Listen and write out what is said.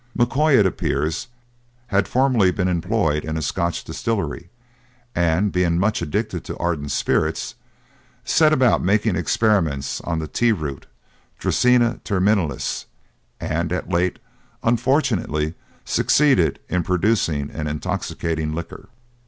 M'Koy, it appears, had formerly been employed in a Scotch distillery, and being much addicted to ardent spirits, set about making experiments on the tee root (Dracæna terminalis), and at length unfortunately succeeded in producing an intoxicating liquor.